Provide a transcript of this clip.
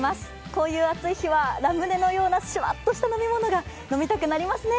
こういう暑い日はラムネのようなしゅわっとした飲み物が飲みたくなりますね。